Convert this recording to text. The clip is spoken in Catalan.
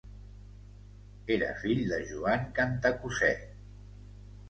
Era fill de Joan Cantacuzè.